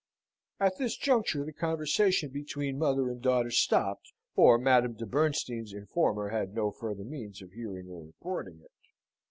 At this juncture the conversation between mother and daughter stopped, or Madame de Bernstein's informer had no further means of hearing or reporting it.